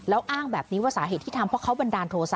แล้วอ้างแบบนี้ว่าสาเหตุที่ทำเพราะเขาบันดาลโทษะ